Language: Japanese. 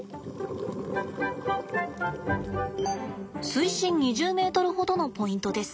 水深２０ｍほどのポイントです。